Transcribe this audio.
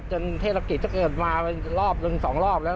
จนเทศลักษณ์กิจจะเกิดมารอบหนึ่งสองรอบแล้ว